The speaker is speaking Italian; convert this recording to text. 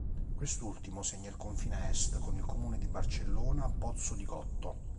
Quest'ultimo segna il confine est con il comune di Barcellona Pozzo di Gotto.